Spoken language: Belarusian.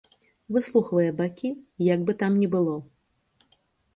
Выслухвае бакі, як бы там ні было.